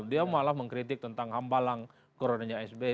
dia malah mengkritik tentang hambalang koronanya sbi